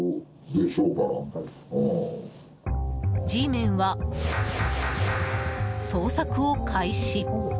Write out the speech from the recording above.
Ｇメンは捜索を開始。